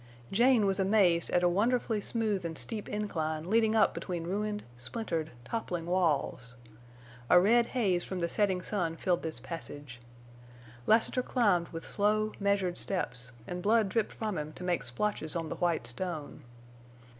Jane was amazed at a wonderfully smooth and steep incline leading up between ruined, splintered, toppling walls. A red haze from the setting sun filled this passage. Lassiter climbed with slow, measured steps, and blood dripped from him to make splotches on the white stone.